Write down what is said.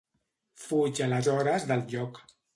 Fuig aleshores del lloc.